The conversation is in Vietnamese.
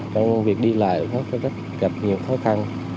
còn việc đi lại có rất gặp nhiều khó khăn